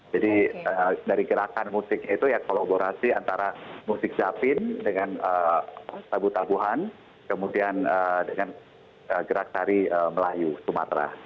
jadi dari gerakan musik itu ya kolaborasi antara musik zabin dengan tabu tabuhan kemudian dengan gerak tari melayu sumatra